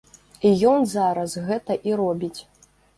І ён зараз гэта і робіць.